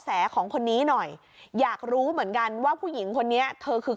แสของคนนี้หน่อยอยากรู้เหมือนกันว่าผู้หญิงคนนี้เธอคือ